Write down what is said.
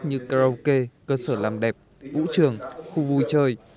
như karaoke cơ sở làm đẹp vũ trường khu vui chơi